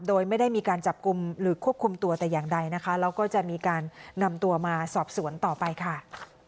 โดยไม่ได้มีการจับกลุ่มหรือควบคุมตัวแต่อย่างใดนะคะแล้วก็จะมีการนำตัวมาสอบสวนต่อไปค่ะ